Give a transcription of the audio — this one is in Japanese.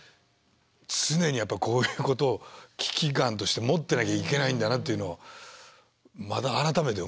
常にやっぱこういうことを危機感として持ってなきゃいけないんだなというのをまた改めて思いましたね。